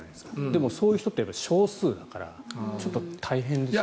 でも、そういう人って少数だからちょっと大変です。